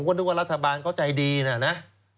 ก็นึกว่ารัฐบาลเขาใจดีนะนะ